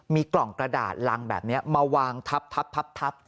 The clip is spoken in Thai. มีกล่องกระดาษรังแบบนี้มาวางทับ